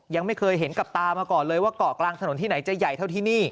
ยังไม่เคยเห็นกับตามาก่อนเลยว่าเกาะกลางถนนที่ไหนจะใหญ่เท่าที่นี่